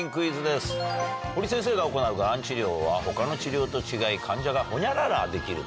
堀先生が行うがん治療は他の治療と違い患者がホニャララできると。